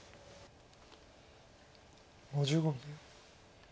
５５秒。